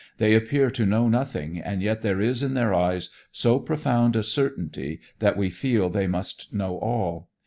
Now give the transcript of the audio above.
They appear to know nothing, and yet there is in their eyes so profound a certainty that we feel they must know all.